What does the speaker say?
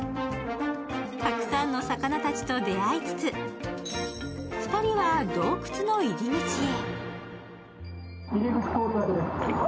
たくさんの魚たちと出会いつつ、２人は洞窟の入り口へ。